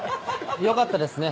よかったですね